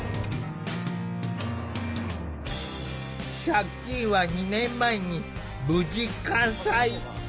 借金は２年前に無事完済。